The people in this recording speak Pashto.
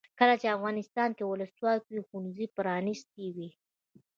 کله چې افغانستان کې ولسواکي وي ښوونځي پرانیستي وي.